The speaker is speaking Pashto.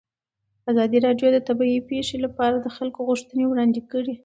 ازادي راډیو د طبیعي پېښې لپاره د خلکو غوښتنې وړاندې کړي.